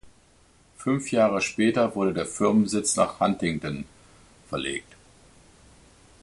Fünf Jahre später wurde der Firmensitz nach Huntingdon verlegt.